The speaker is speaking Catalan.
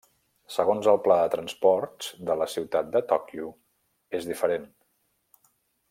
Segons el pla de transports de la ciutat de Tòquio, és diferent.